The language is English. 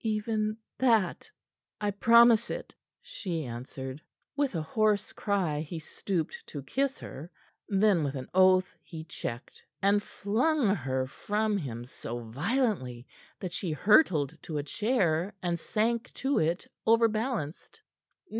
"Even that. I promise it," she answered. With a hoarse cry, he stooped to kiss her; then, with an oath, he checked, and flung her from him so violently that she hurtled to a chair and sank to it, overbalanced.